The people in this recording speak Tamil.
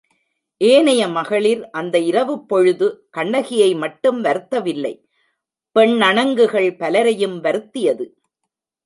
ஏனைய மகளிர் அந்த இரவுப்பொழுது கண்ணகியை மட்டும் வருத்தவில்லை பெண்ணணங்குகள் பலரையும் வருத்தியது.